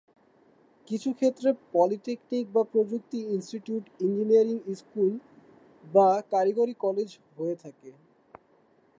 কিছু ক্ষেত্রে, পলিটেকনিক বা প্রযুক্তি ইনস্টিটিউট ইঞ্জিনিয়ারিং স্কুল বা কারিগরি কলেজ হয়ে থাকে।